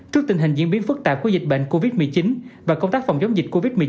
trước tình hình diễn biến phức tạp của dịch bệnh covid một mươi chín và công tác phòng chống dịch covid một mươi chín